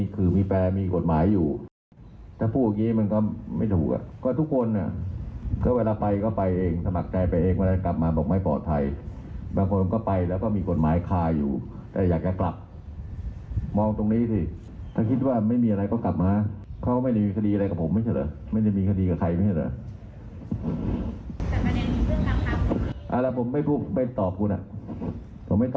คุณผู้ชมครับคดีการค้ามนุษย์ชาวโรงฮินจานี่นะครับ